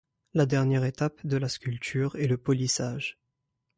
La dernière étape de la sculpture est le polissage.